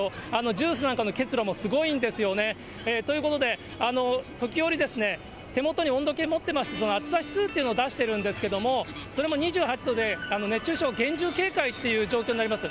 ジュースなんかの結露もすごいんですよね。ということで、時折、手元に温度計持ってまして、暑さ指数というのを出してるんですけど、それも２８度で、熱中症、厳重警戒という状況になります。